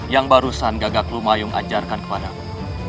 yang barusan gagak lumayu mengajarkan kepadamu